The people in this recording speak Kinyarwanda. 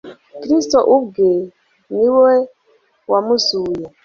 Kristo ubwe ni we wamuzuye.